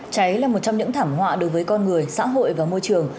cháy là một trong những thảm họa đối với con người xã hội và môi trường